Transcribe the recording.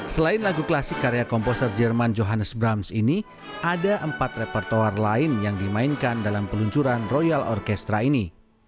selain lagu klasik karya komposer jerman johannes brams ini ada empat repertoar lain yang dimainkan dalam peluncuran royal orkestra ini